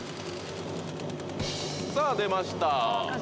さぁ出ました。